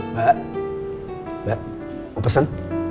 mbak mbak mau pesen